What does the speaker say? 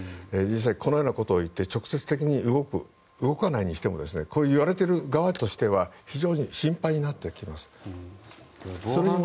このようなことを言って直接的に動く、動かないにしてもこう言われている側としては非常に心配になってきます。